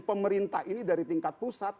pemerintah ini dari tingkat pusat